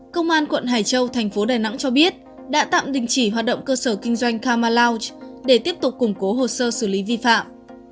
công an quận hải châu tp đà nẵng cho biết đã tạm đình chỉ hoạt động cơ sở kinh doanh karma lounge để tiếp tục củng cố hồ sơ xử lý vi phạm